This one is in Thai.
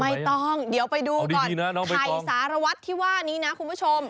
ไม่ต้องเดี๋ยวไปดูก่อนไข่สารวัตรที่ว่านี้นะคุณผู้ชม